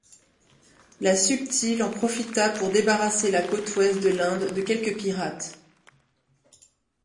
La Subtile en profita pour débarrasser la côte ouest de l’Inde de quelques pirates.